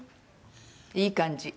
いい感じ。